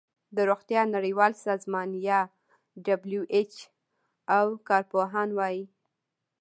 د روغتیا نړیوال سازمان یا ډبلیو ایچ او کار پوهان وايي